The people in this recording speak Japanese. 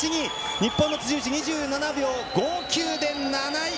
日本の辻内２７秒５９で７位！